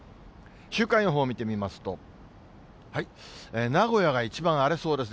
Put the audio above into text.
週間予報を見てみますと、名古屋が一番荒れそうです。